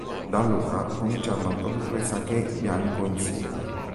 Da allora cominciarono a produrre "sake" bianco insieme.